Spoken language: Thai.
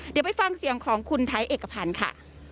เดี๋ยวไปฟังเสียงของคุณไทยเอกพันธ์ค่ะ